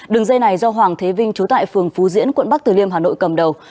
đường dây này do hoàng thế vinh trú tại phường phú diễn quận bắc từ liêm hà nội cầm đầu